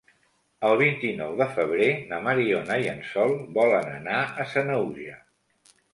El vint-i-nou de febrer na Mariona i en Sol volen anar a Sanaüja.